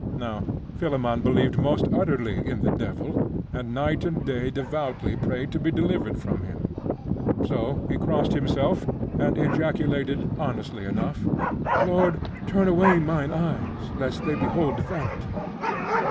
Now Philammon believed most utterly in the devil, and night and day devoutly prayed to be delivered from him; so he crossed himself, and ejaculated, honestly enough, 'Lord, turn away mine eyes, lest they behold vanity!